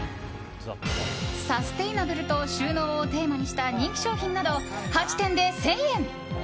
サステイナブルと収納をテーマにした人気商品など、８点で１０００円。